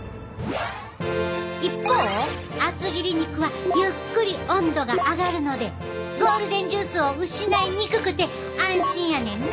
一方厚切り肉はゆっくり温度が上がるのでゴールデンジュースを失いにくくて安心やねんな！